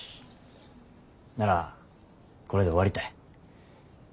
ならこれで終わりたい。